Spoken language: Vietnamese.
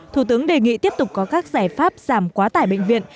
thủ tướng đề nghị tiếp tục có các giải pháp giảm quá tải bệnh viện